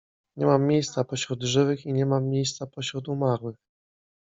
Nie mam miejsca pośród żywych i nie mam miejsca pośród umarłych…